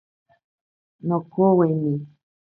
Nokowimi.